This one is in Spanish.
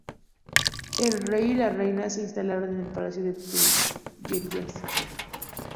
El rey y la reina se instalaron en el Palacio de las Tullerías.